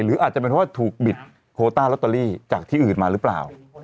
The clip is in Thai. หรืออาจจะเป็นเพราะว่าถูกบิดโคต้าลอตเตอรี่จากที่อื่นมาหรือเปล่า